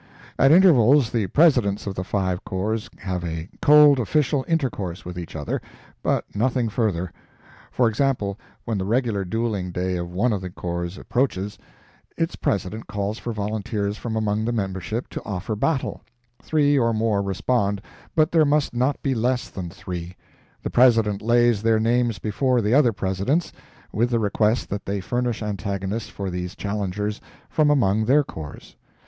At intervals the presidents of the five corps have a cold official intercourse with each other, but nothing further. For example, when the regular dueling day of one of the corps approaches, its president calls for volunteers from among the membership to offer battle; three or more respond but there must not be less than three; the president lays their names before the other presidents, with the request that they furnish antagonists for these challengers from among their corps.